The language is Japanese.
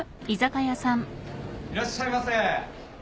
・いらっしゃいませ。